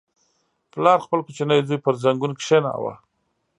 • پلار خپل کوچنی زوی پر زنګون کښېناوه.